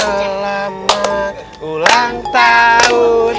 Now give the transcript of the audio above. selamat ulang tahun